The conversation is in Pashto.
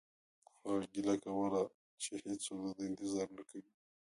هغه ګیله کوله چې هیڅوک د ده انتظار نه کوي